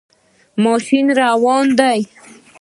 ماشین روان دی